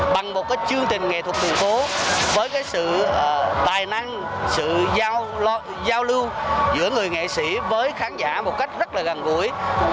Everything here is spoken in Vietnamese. bằng một cái chương trình nghệ thuật đường phố với cái sự tài năng sự giao lưu giữa người nghệ sĩ với khán giả một cách rất là gần gũi